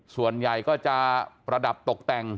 ส่วนใหญ่ก็จะประดับตกแต่ง